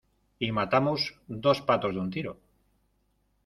y matamos dos patos de un tiro.